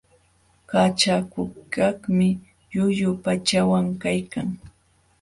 Kachakukaqmi quyu pachawan kaykan.